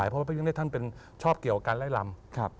เพราะยังได้ท่านเป็นชอบเกี่ยวกับการไร้ลำ